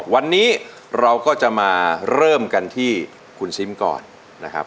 วันนี้เราก็จะมาเริ่มกันที่คุณซิมก่อนนะครับ